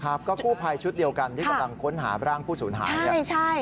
ครับก็กู้ภัยชุดเดียวกันที่กำลังค้นหาร่างผู้สูญหายเนี่ยใช่